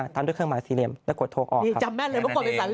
ตามด้วยเครื่องมานสิเล็มแล้วก็ถูกก็ออกครับ